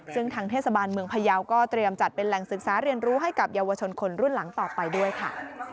ซึ่งทางเทศบาลเมืองพยาวก็เตรียมจัดเป็นแหล่งศึกษาเรียนรู้ให้กับเยาวชนคนรุ่นหลังต่อไปด้วยค่ะ